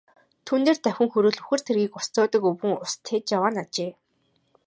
Түүн дээр давхин хүрвэл үхэр тэргээр ус зөөдөг өвгөн ус тээж яваа нь ажээ.